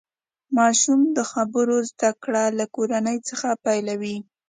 ماشوم د خبرو زدهکړه له کور څخه پیلوي.